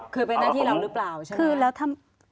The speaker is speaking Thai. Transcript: คือเป็นหน้าที่เราหรือเปล่าใช่ไหม